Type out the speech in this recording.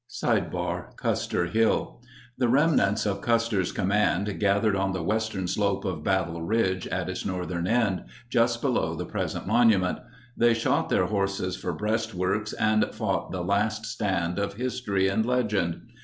O Custer Hill The remnants of Custer's command gathered on the western slope of Battle Ridge at its northern end, just below the present monu ment. They shot their horses for breastworks and fought the "last stand" of history and legend.